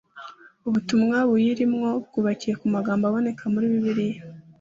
ubutumwa buyirimo bwubakiye ku magambo aboneka muri bibiliya